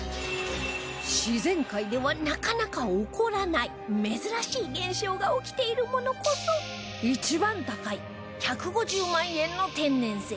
自然界ではなかなか起こらない珍しい現象が起きているものこそ一番高い１５０万円の天然石